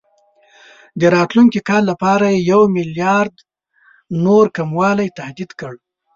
د راتلونکي کال لپاره یې یو میلیارډ نور کموالي تهدید کړ.